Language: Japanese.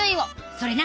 それな。